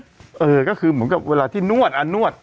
เหมือนกับเวลาที่นวด